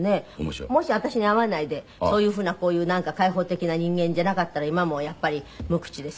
もし私に会わないでそういうふうなこういうなんか開放的な人間じゃなかったら今もやっぱり無口で精悍でしたかね？